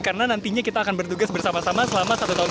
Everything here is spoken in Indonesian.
karena nantinya kita akan bertugas bersama sama selama satu tahun ke depan